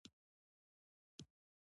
ژبه د کورنۍ د انس راز دی